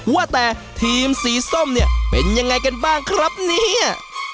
ว่าแต่ทีมสีส้มเนี่ยเป็นยังไงกันบ้างครับเนี่ย